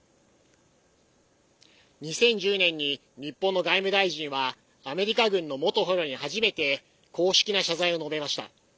２０１０年に日本の外務大臣はアメリカ軍の元捕虜に初めて公式な謝罪を述べました。